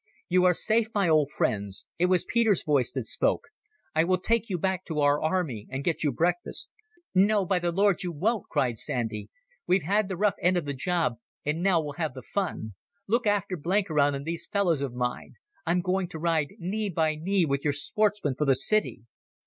"You are safe, my old friends"—it was Peter's voice that spoke—"I will take you back to our army, and get you breakfast." "No, by the Lord, you won't," cried Sandy. "We've had the rough end of the job and now we'll have the fun. Look after Blenkiron and these fellows of mine. I'm going to ride knee by knee with your sportsmen for the city."